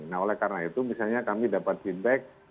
nah oleh karena itu misalnya kami dapat feedback